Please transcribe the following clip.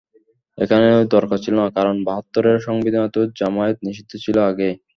এখানেও দরকার ছিল না, কারণ বাহাত্তরের সংবিধানে তো জামায়াত নিষিদ্ধ ছিল আগেই।